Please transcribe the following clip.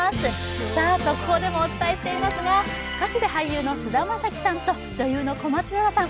さあ速報でもお伝えしていますが歌手で俳優の菅田将暉さんと女優の小松菜奈さん